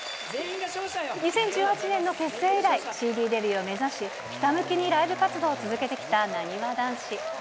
２０１８年の結成以来、ＣＤデビューを目指し、ひたむきにライブ活動を続けてきたなにわ男子。